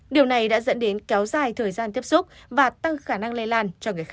điều này đã dẫn đến kéo dài thời gian tiếp xúc và tăng khả năng lên